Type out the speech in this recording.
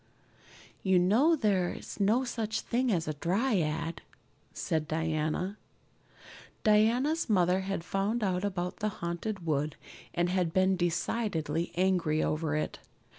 "You know there is no such thing as a dryad," said Diana. Diana's mother had found out about the Haunted Wood and had been decidedly angry over it.